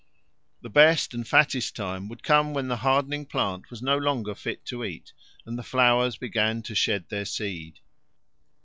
The best and fattest time would come when the hardening plant was no longer fit to eat and the flowers began to shed their seed.